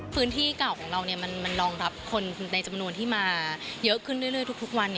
พื้นที่เก่าของเรามันรองรับคนในจำนวนที่มาเยอะขึ้นเรื่อยทุกวัน